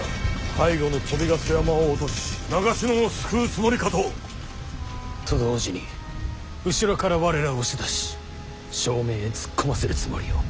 背後の鳶ヶ巣山を落とし長篠を救うつもりかと。と同時に後ろから我らを押し出し正面へ突っ込ませるつもりよ。